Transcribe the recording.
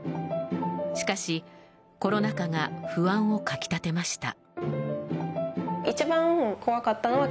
しかし、コロナ禍が不安をかき立てました。